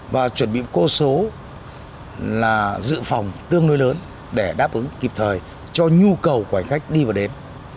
và chuẩn bị cô số là dự phòng tương đối lớn để đáp ứng kịp thời cho nhu cầu của hành khách đi và đến